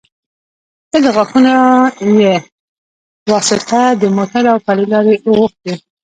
ته د غاښو يه واسطه د موټو او پلې لارې اوښتي